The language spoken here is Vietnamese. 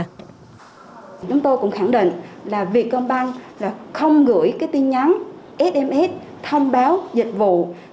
chúng tôi cũng khẳng định là việt quang banh không gửi tin nhắn sms thông báo dịch vụ